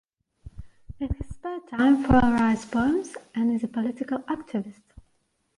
In his spare time, Foyle writes poems and is a political activist.